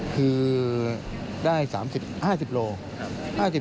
คือได้๕๐โลกรัม